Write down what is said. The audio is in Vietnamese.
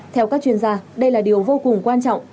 theo các chuyên gia đây là điều vô cùng quan trọng